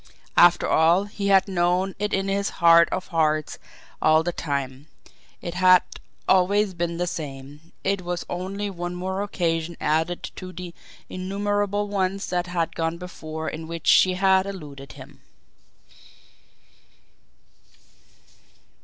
After all, he had known it in his heart of hearts all the time it had always been the same it was only one more occasion added to the innumerable ones that had gone before in which she had eluded him!